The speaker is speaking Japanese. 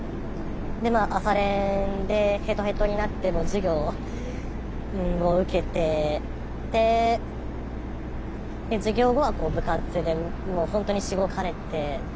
でまあ朝練でヘトヘトになっても授業を受けてで授業後は部活で本当にしごかれて。